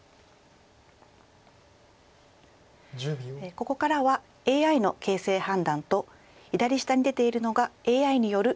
ここからはＡＩの形勢判断と左下に出ているのがＡＩによる予想手です。